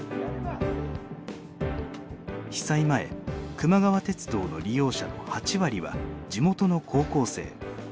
被災前くま川鉄道の利用者の８割は地元の高校生。